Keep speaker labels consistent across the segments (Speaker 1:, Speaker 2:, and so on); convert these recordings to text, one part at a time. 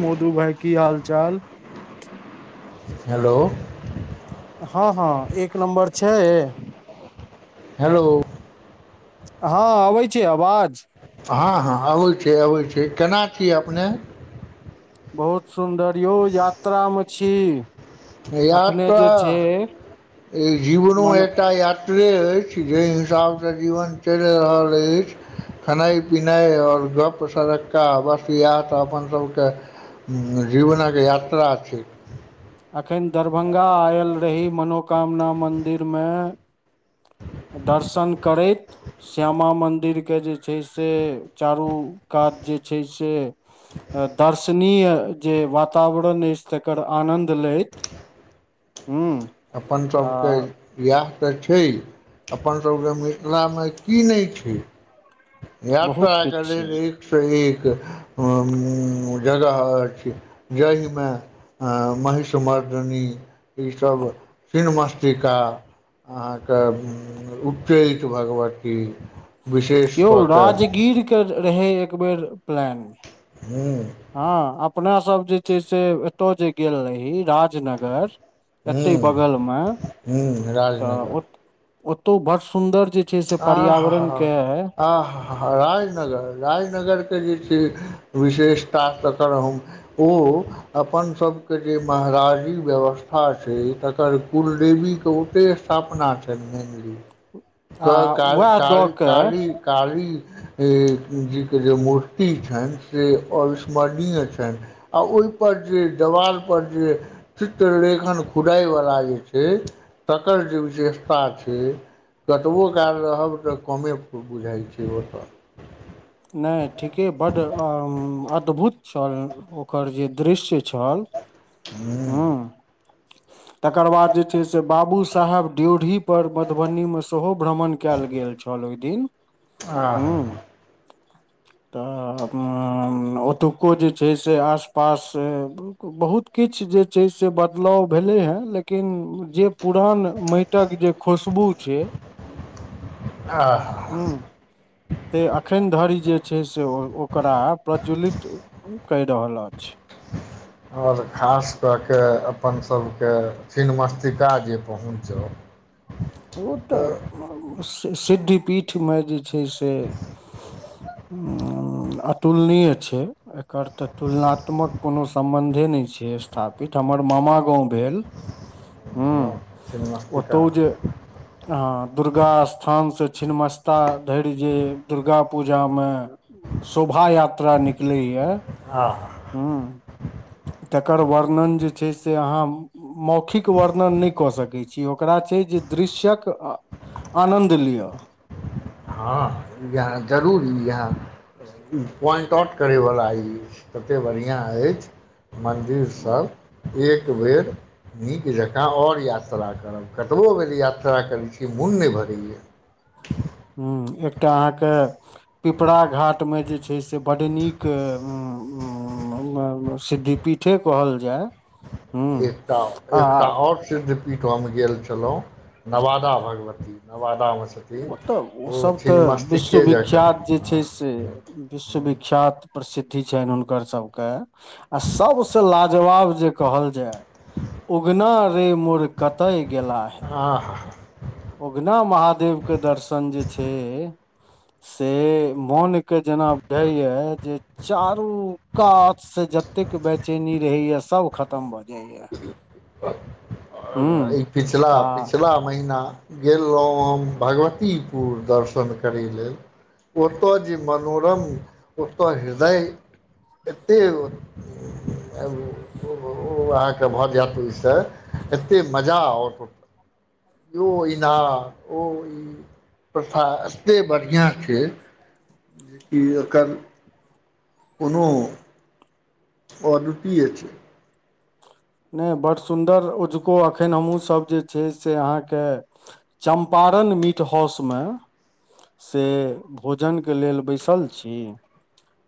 Speaker 1: मौधू भाई की हाल चाल
Speaker 2: हेलो
Speaker 1: हँ हँ एक नम्बर छै
Speaker 2: हेलो
Speaker 1: हँ अबै छै आवाज
Speaker 2: हँ हँ अबैत छै अबैत छै केना छी अपने
Speaker 1: बहुत सुन्दर यौ यात्रा म छी अखने
Speaker 2: यात्रा
Speaker 1: जे छै
Speaker 2: [inaudible] ई जवननो
Speaker 1: मनो
Speaker 2: एकटा यात ऐछ जाहि हिसाबसँ जीवन चैल रहल अछि खेनाइ पिनाइ और गप्प सड़का आ बस इएह तऽ अपन सभके जीवनक यात्रा छै
Speaker 1: एखन दरभंगा आयल रही मनोकामना मन्दिर में दर्शन करैत श्यामा मन्दिर केँ जे छै से चारू कात जे छै से दर्शनीय जे वातावरण अछि तेकर आनद देलैथ हु
Speaker 2: अपन सभके इएह तऽ छै अपनसभके मिथिलामे की नै छै। यात्रा
Speaker 1: बहुत
Speaker 2: [unintelligible]
Speaker 1: किछु छै
Speaker 2: सँ एक जगह अछि जाहिमे आ महीष मर्दनी ईसभ छिन्नमस्तिका अहाँके उच्चैठ भगबती विशेष
Speaker 1: यौ
Speaker 2: कऽ कऽ
Speaker 1: राजगीर के रहै एक बेेर प्लान
Speaker 2: हूँ
Speaker 1: हँ अपना सब जे छै से एतौ जे गेल रही राज जनगर
Speaker 2: हूँ
Speaker 1: एते बगल मे
Speaker 2: हूँ राजनगर
Speaker 1: तऽ ओतौ ब सुन्दर जे छै से पर्यावरण के
Speaker 2: आ हा हा राजनगर राजनगरके जे छै विशेषता तकर हम ओ अपन सबके जे महाराजी व्यवस्था छै तकर कुलदेवी के उते थापना छै
Speaker 1: आ
Speaker 2: क काली
Speaker 1: वएह
Speaker 2: का
Speaker 1: दऽ के
Speaker 2: काली काली ई जी के जे मूर्ति छैन से अविसमरणीय छैन आ ओहिपर जे देवालपर जे चित्रलेखन खुदैवला जे छै तकर जे विशेषता छै कतबो काल रहब तऽ कमे बुझाइ छै ओत
Speaker 1: नै ठीके बड अ अद्भुत छल ओकर जे दृश्य छल हूँ तकर बाद जे छै से बाबू साहेब ड्योढ़ी पर मधुबनी मे सेहो भ्रमण केल गेल छल ओहि दिन।
Speaker 2: आहा
Speaker 1: हूँ
Speaker 2: [inaudible]
Speaker 1: त अ अ ओतुको जे छै से आसपास बहुत किछ जे छै से बदलाव भेलै हेँ लेकिन जे पुरान मै टक जे खुशबू छै
Speaker 2: आहा
Speaker 1: हुॅं सेे अखन धरि जे छै से ओकरा प्रज्ज्वलित कै रहल अछि
Speaker 2: [inaudible] आओर खास कऽ कऽ अपनसभके छिन्नमस्तिका जे पहुँच जौ [inaudible]
Speaker 1: ओ तऽ म स सिद्धिपीठमे जे छै से ऊं अतुलनीय छै एकर तऽ तुलनात्मक कोनो सम्बंधे नै छै स्थापित। हमर मामा गाँंव भेल ह
Speaker 2: हँ छिन्मस्तिका
Speaker 1: ह दुर्गा स्थान से छिन्मस्ता धरि जे दुर्गा पूजा म शोभा यात्रा निकलैय
Speaker 2: [inaudible]
Speaker 1: तकर वर्णन जे छै से अहाँ मौखिक वर्णन नै कऽ सकै छी। ओकरा छै जे दृश्य्यक अ आनन्द लिअ
Speaker 2: हँ इएह जरूर इएह पॉइंट आउट करयवला ई, ततेक बढ़िआँ अछि मन्दिर सभ एक बेर नीक जकाँ ओर यात्रा करब। कतबो बे यात्रा करैत छी मोन नय भरैए
Speaker 1: हूं, एकटा अहाँके पिपरा घाट मे जे छै से बड् नीक हूं ऊं ऊं अ सिद्धिपीठे कहल जाय हूँ
Speaker 2: एकटा,
Speaker 1: आ
Speaker 2: एकटा ओर सिद्धपीठ हम गेल छलहुँ, नवादा भगवती नवादा में छ
Speaker 1: ओतऽ उ सब तऽ
Speaker 2: जकाँ
Speaker 1: विश्वविख्यात जे जे
Speaker 2: हँ
Speaker 1: से विश्वविख्यात प्रसिद्धि छनि हुनकर सबके आ सबस लाजवाब जे कहल जाय उगना रे मोड़ कतय गेला
Speaker 2: आ हाँ हाँ
Speaker 1: उगना महादेव के दर्शन जे छै से मोन के जेना बुढइए जे चारू कात से जतेक बेचैनी रहैया सब खत खतम भऽ जाइए
Speaker 2: आर भाई पिछला,
Speaker 1: आ
Speaker 2: पिछला महीना गेल रहुँ हम भगवतीपुर दर्शन करय लेल ओतौ जे मनोरम ओतौ हृदय एतेक [unintelligible] के भऽ जायत ओहि सँ एते मजा ओत ओ ईना ओ ई प्रथा एते बढ़िआँ छै जेकि ओकर कोनो ऑर्डर पीए छ [inaudible]
Speaker 1: नय बड्ड सुन्दर ओझुको एखन हमहूँसभ जे छै से अहाँके चम्पारण मीट हाउस मे से भोजन के लेल बैसल छी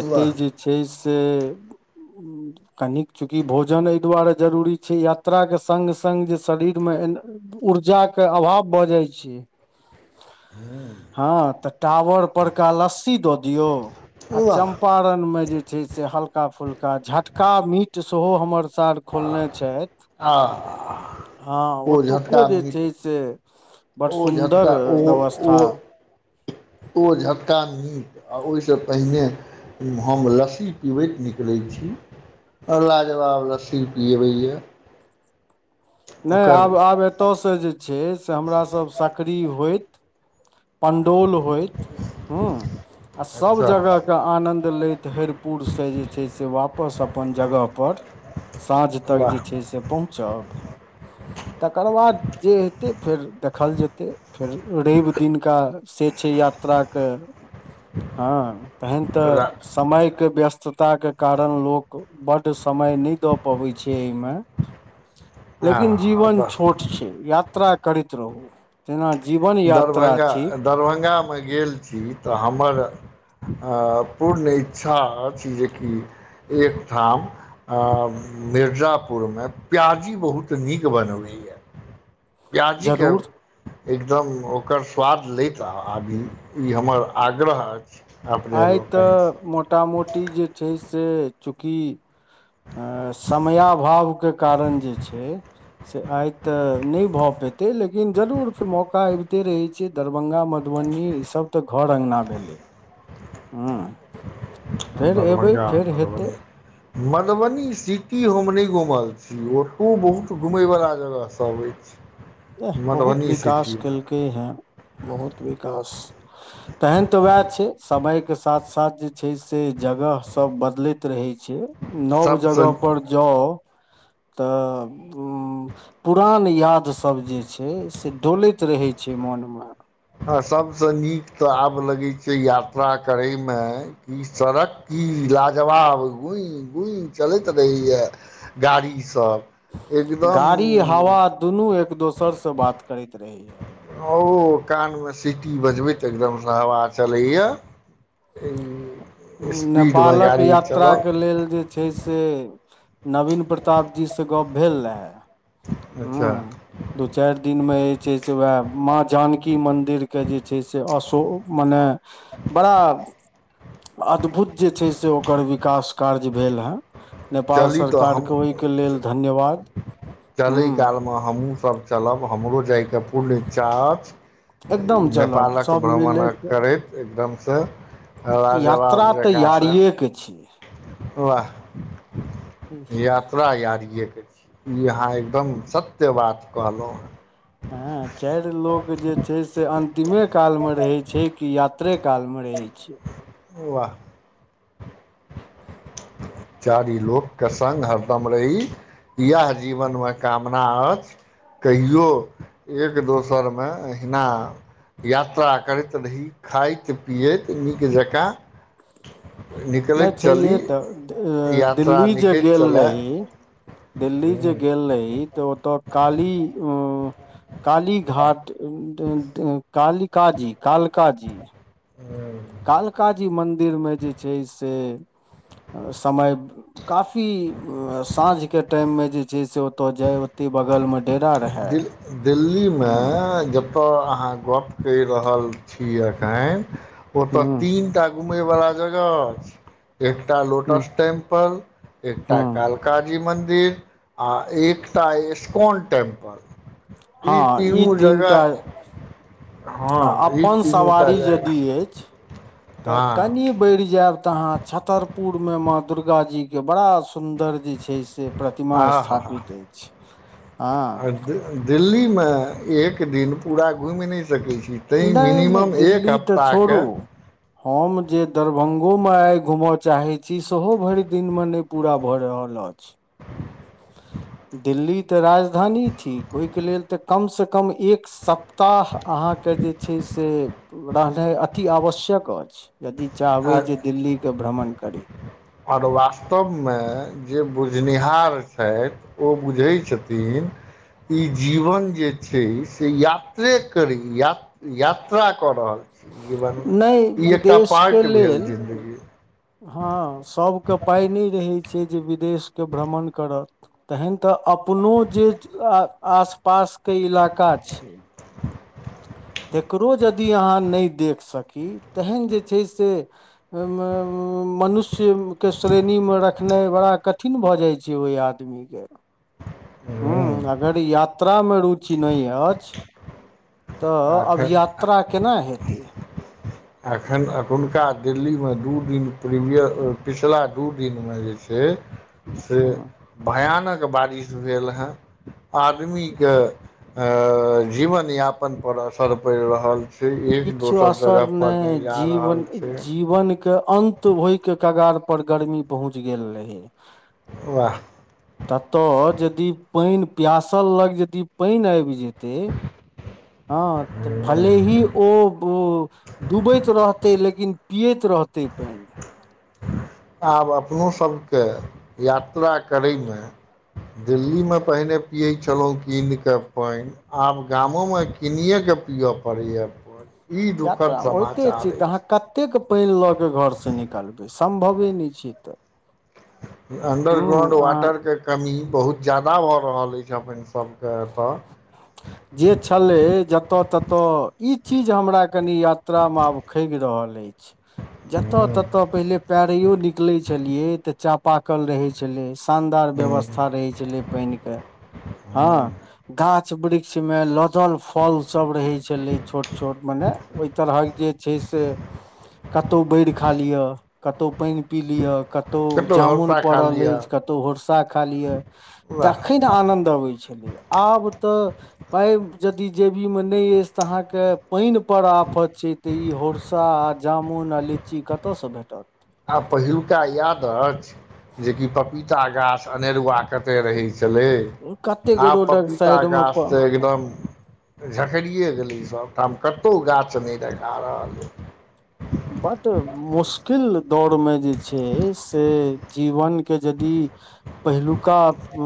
Speaker 1: एते
Speaker 2: वाह
Speaker 1: जे छै से ऊं कनिक चूँकि भोजन एहि दुआरे जरूरी छै। यात्रा के संग-संग जे शरीर मे ऊर्जा के अभाव भऽ जाइ छै
Speaker 2: [inaudible]
Speaker 1: हाँ, त टावर पर क लस्सी द दियो आ
Speaker 2: वाह
Speaker 1: चम्पा रन में जे छै से हल्का फुल्का झटका मीट सेहो हमर सार खोलने छथि।
Speaker 2: आ
Speaker 1: हँ,
Speaker 2: ओ
Speaker 1: ओतुको
Speaker 2: झटका
Speaker 1: जे
Speaker 2: मीट
Speaker 1: छै से बड़
Speaker 2: ओ झटका,
Speaker 1: सुन्दर
Speaker 2: ओ
Speaker 1: व्यवस्था
Speaker 2: ओहो ओ झट्का मीट आ ओहिसँ पहिने हम लस्सी पिबैत निकलैत छी अ लाजवाब लस्सी पीबैए
Speaker 1: नहि आब, आब एतयसँ जे छै से हमरा सभ सक्री होइत पंडोल होइत। हूँ, आ सब
Speaker 2: अच्छा
Speaker 1: जगह के आनन्द लैत हरिपुरसँ जे छै से वापस अपन जगह पर साँझ तक जे
Speaker 2: वाह
Speaker 1: छै से पहुँचब तकर बाद जे हेतै फेर देखल जेतै। फेर रेव दिनका से छै यात्रा क, हँ तहन तऽ
Speaker 2: वाह
Speaker 1: समय के व्यस्तताक के कारण लोक बड़ समय नहि दऽ पबै छै एहिमे
Speaker 2: [inaudible]
Speaker 1: लेकिन जीवन छोट छै, यात्रा करैत रहू। तेना जीवन। यात्रा
Speaker 2: दरभंगा,
Speaker 1: छी
Speaker 2: दरभंगा मे गेल छी तऽ हमर। अ पूर्ण इच्छा अछि जेकि एकठाम आ मिर्जापुरमे प्याजी बहुत नीक बनबैए प्याजी के
Speaker 1: जरूर
Speaker 2: एकदम ओकर स्वाद लै आ आबी, ई हमर आग्रह अछि अपने
Speaker 1: आई तऽ
Speaker 2: लोकनिसँ
Speaker 1: मोटा मोटी जे छै से, चूँकि आ समयाभाव के कारण जे छै
Speaker 2: [inaudible]
Speaker 1: तऽ आई तऽ नहि भऽ पेतै लेकिन जरूर फेर मौका अबिते रहै छै दरभंगा, मधुबनी ई सभ ते घर अंगना भेले हू फेर अयबै,
Speaker 2: दरभंगा
Speaker 1: फेर हेतै
Speaker 2: मधुबनी मधुबनी सिटी हम नहि घूमल छीय ओतहु बहुत घुमयवला जगह सभ अछि [inaudible]
Speaker 1: एह बहुत
Speaker 2: मधुबनी
Speaker 1: विकास
Speaker 2: सिटीमे
Speaker 1: केलकै हैं, बहुत विकास तहन तऽ उएह छै, समयके साथ जे छै से जगह सभ बदलैत रहैत छै नव
Speaker 2: सभसँ
Speaker 1: जगह पर। जाऊ त ऊं पुरान याद सभ जे छै से डोलैत रहै छै मोन मे
Speaker 2: आ सभसँ नीक तऽ आब लगैत छै यात्रा करय मे ई सड़क कि लाजवाब गुई गुई चलैत रहैए गाड़ीसभ
Speaker 1: गाड़ी
Speaker 2: एकदम्म ऊ
Speaker 1: हवा दुनू एक दोसर से बात करैत रहेया।
Speaker 2: ओ कान मे सीटी बजबे तऽ एकदम सँ हवा चलैया हन
Speaker 1: नेपाल कऽ यात्रा के लेल जे जे छै से नवीन प्रताप जी से गप भेल रहा
Speaker 2: अच्छा।
Speaker 1: दू चारि दिन मे जे छै से उएह माँ जानकि मन्दिर के जे छै से अशोक मन बड़ा अद्भुत जे छै से ओकर विकास कार्य भेल हे नेपाल
Speaker 2: चली तऽ
Speaker 1: सरकार
Speaker 2: हम
Speaker 1: के ओहिके लेलऽ धन्यवाद। हू
Speaker 2: हमहूँ सभ चलब, हमरो जायके पूर्ण इच्छा अछि।
Speaker 1: एकदम चलब
Speaker 2: नेपाल कऽ
Speaker 1: सब
Speaker 2: भ्रमण
Speaker 1: मिले के
Speaker 2: करैत एकदमसँ लाजवाब
Speaker 1: यात्रा तऽ
Speaker 2: जका से
Speaker 1: यारिये के छिये
Speaker 2: वाह इहा तरा यारिए के छी अहाँ एकदम सत्य बात कहलहुॅं ह
Speaker 1: हँ चारि लोग जे छै से अतिमे काल मे रहे छै कि यात्रे काल मे रहे छै।
Speaker 2: वाह। चारि लोक के संग हरदम रही इएह जीवन मे कामना अछि। कहियो एक दोसर मे एहिना यात्रा करैत रही खाइत पियैत नीक जका
Speaker 1: नहि
Speaker 2: निकलेत चली।
Speaker 1: छैहे
Speaker 2: यात्रा
Speaker 1: दिल्ली जे
Speaker 2: निकैत
Speaker 1: गेल
Speaker 2: चलय
Speaker 1: रहहि [inaudible] दिल्ली जे गेल रहहि तऽ ओतऽ काली काली घाट [unintelligible] काली [unintelligible] कलका जी
Speaker 2: [unintelligible]
Speaker 1: कालकाजी मन्दिर में जे छै से समय काफी साँझ केँ टाइम में जे छै से ओतो जाय ओतै बगल में डेरा रहै
Speaker 2: दिल दिल्लीमे
Speaker 1: [inaudible]
Speaker 2: अहाँ गप कर रहल छी अख ओ
Speaker 1: ह
Speaker 2: तीनटा घुमै वला जगह अछि एक लोटस टेम्पल एकटा
Speaker 1: ह
Speaker 2: काल काली मन्दिर आ एकता इस्कॉन टेंपल
Speaker 1: हँ ई तीनटा
Speaker 2: हँ ई
Speaker 1: अपन
Speaker 2: तीनू टा
Speaker 1: सवारी
Speaker 2: जगह
Speaker 1: यदि ऐछ [inaudible] तऽ
Speaker 2: हँ
Speaker 1: कनि बैढ़ जैब तऽ अहाँ छतरपुर में माँ दुर्गा जी केँ बड़ा सुंदर जे छै से प्रतिमा
Speaker 2: आहा हा
Speaker 1: स्थापित ऐछ [inaudible] हँ
Speaker 2: दिल्ली में एक दिन पूरा घुम नै सकै छी तैय
Speaker 1: नहि नहि
Speaker 2: मिनिमम एक
Speaker 1: दिल्ली तऽ
Speaker 2: हफ्ता कऽ
Speaker 1: छोड़ू हम जे दरभंगो में आइ घुम चाहे छी सेहो भैर दिन मे नै पूरा भऽ रहल अछ दिल्ली तऽ राजधानी थिक ओइकेँ लेल तऽ कम से कम एक सप ताह अहाँकेँ जे छै से रहनाइ अति आवश्यक अछ यदि चाहबै
Speaker 2: आ
Speaker 1: जे दिल्ली कऽ भ्रमण करी
Speaker 2: और वास्तव मे जे बुझनिहार छैथ ओ बुझै छथिन ई जीवन जे छै से यात्रे करी यात्र यात्रा कऽ रहल छी जीवनमे
Speaker 1: नहि
Speaker 2: ई एकटा
Speaker 1: विदेशके
Speaker 2: पार्ट भेल
Speaker 1: लेल
Speaker 2: जिन्दगी
Speaker 1: हँ सभ कऽ पाइ नै रहै छै जे विदेश कऽ भ्रमण करत तहन तऽ अपनो जे आस पास केँ इलाका छैय
Speaker 2: [unintelligible]
Speaker 1: तकरो यदि अहाँ नै देख सकी तैहेन जे छै से [unintelligible] मनुष्य केँ श्रेणी में रखनाइ बड़ा कठिन भऽ जाइ छै ओइ आदमी केँ हु
Speaker 2: हूँ
Speaker 1: अगर यात्रा में रुचि नै एछ तऽ अभ
Speaker 2: आखिर
Speaker 1: यात्रा केना हेतै
Speaker 2: एखन एखुनका दिल्ली में दू दिन प्रीवियस पिछिला दू दिनमे जे छै से
Speaker 1: हूँ
Speaker 2: भयानक बारिश भेल है आदमीकेँ जीवनयापन पर असर पैड़ रहल से एक दोसर जगह
Speaker 1: नै जीवन जीवन केँ अन्त होइके कगार पर गर्मी पहुँच गेल रहै
Speaker 2: वाह
Speaker 1: तऽ तऽ जदि पाइन पियासल लग जदि पान आइब जेतै हँ तऽ भले ही ओ दुबई तऽ रहतै लेकिन पियैत रहतै पाइन
Speaker 2: [unintelligible] आब अपनो सब केँ यात्रा करय में दिल्ली में पहिने पियै छलौ कीन कऽ पाइ आब गामो म कीनिये के पीयऽ पड़ैये पानि ई दुखद
Speaker 1: यात्रा मे होइते
Speaker 2: समाचार
Speaker 1: छैय
Speaker 2: अछि
Speaker 1: तहाँक कतेक पानि लऽ के घर से निकलबै सम्भवे नहि छैय
Speaker 2: अंडरग्राउंड
Speaker 1: आ
Speaker 2: वाटरके कमी बहुत ज्यादा भऽ रहल अछि हम सबके एतऽ
Speaker 1: जे छलै जतऽ ततऽ ई चीज हमरा कनि यात्रा मे आब खगि रहल अछैय जतऽ ततऽ पहिले पैरैयो निकलै छलियै तऽ चापाकल रहै छलै शानदार
Speaker 2: एतऽ
Speaker 1: व्यवस्था रहै छलै पानि के हँ गाछ गाछ वृक्ष मे लदल फल सब रहय छलै छोट छोट माने तरहक जे छैय से कतहु बैर खा लिय कतौ पानि पी लिय क तौ
Speaker 2: कतौ
Speaker 1: जामुन
Speaker 2: हौसा खा
Speaker 1: पड़ल
Speaker 2: लिअ
Speaker 1: अछि कतौ होरसा खाली यऽ
Speaker 2: वाह
Speaker 1: तखन आनन्द अबै आब तऽ पाइ यदि जेबीमे नहि अछि तऽ अहाँके पानि पर आफत छैय तऽ ई होरसा आ जामुन आ लीची कतऽ से भेटत
Speaker 2: आ पहिलुका याद अछि जे की पपीता गाछ अनेरुआ कते रहैत छलै
Speaker 1: कतेक
Speaker 2: आब
Speaker 1: रोडक
Speaker 2: पपीता
Speaker 1: साइड मे
Speaker 2: गाछ
Speaker 1: प
Speaker 2: तऽ एकदम झखैरिये गेलै सभ ठाम कतहु गाछ नहि देखा रहल
Speaker 1: बड़ मुश्किल दौरमे जे छैय से जीवनके यदि पहिलुका--उं